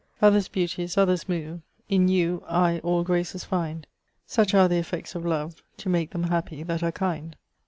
2. Others' beauties others move, In you I all graces find: Such are the effects of love To make them happy that are kind.